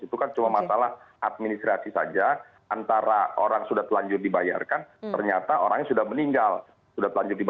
itu kan cuma masalah administrasi saja antara orang sudah telanjur dibayarkan ternyata orangnya sudah meninggal